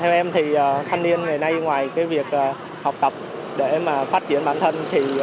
theo em thì thanh niên ngày nay ngoài việc học tập để phát triển